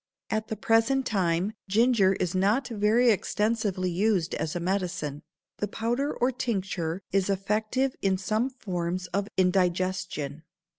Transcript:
At the present time ginger is not very extensively used as a medicine. The powder or tincture is effective in some forms of indigestion.